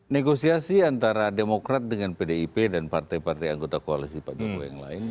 negosiasi antara demokrat dengan pdip dan partai partai anggota koalisi pak jokowi yang lain